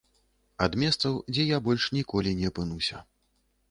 Ад месцаў, дзе я больш ніколі не апынуся.